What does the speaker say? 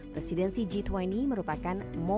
presidensi g dua puluh merupakan momen